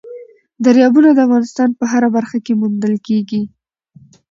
دریابونه د افغانستان په هره برخه کې موندل کېږي.